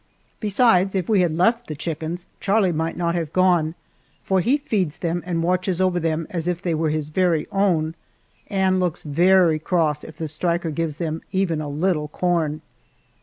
Besides, if we had left the chickens, Charlie might not have gone, for he feeds them and watches over them as if they were his very own, and looks very cross if the striker gives them even a little corn.